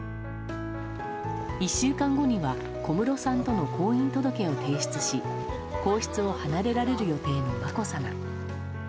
１週間後には小室さんとの婚姻届を提出し皇室を離れられる予定のまこさま。